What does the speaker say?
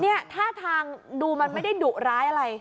เนี่ยท่าทางดูมันไม่ได้ดุร้ายอะไร